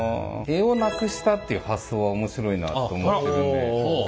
柄をなくしたっていう発想は面白いなと思ってるんで。